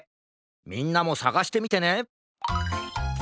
みんなもさがしてみてね！